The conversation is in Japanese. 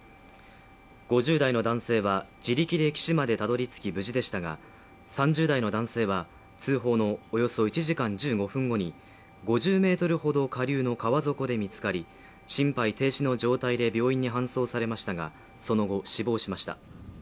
５０代の男性は、自力で岸までたどりつき、無事でしたが３０代の男性は、通報のおよそ１時間１５分後に５０ｍほど下流の川底で見つかり、心肺停止の状態で病院に搬送されましたが、その後、死亡しました。